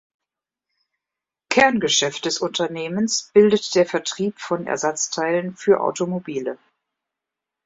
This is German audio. Kerngeschäft des Unternehmens bildet der Vertrieb von Ersatzteilen für Automobile.